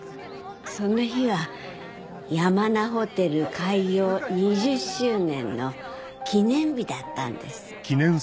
その日は山名ホテル開業２０周年の記念日だったんです。